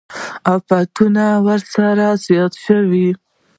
افتونه ورسره زیات شول.